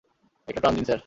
একটা টান দিন, স্যার।